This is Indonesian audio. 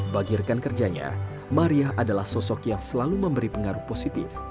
bagi rekan kerjanya maria adalah sosok yang selalu memberi pengaruh positif